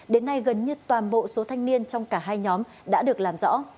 đến nay gần như toàn bộ số thanh niên trong cả hai nhóm đã được làm rõ